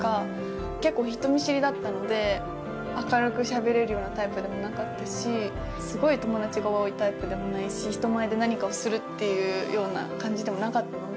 結構人見知りだったので明るくしゃべれるようなタイプでもなかったしすごい友達が多いタイプでもないし人前で何かをするっていうような感じでもなかったので。